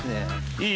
いい？